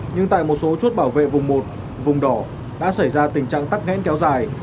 nhưng tại một số chốt bảo vệ vùng một vùng đỏ đã xảy ra tình trạng tắc nghẽn kéo dài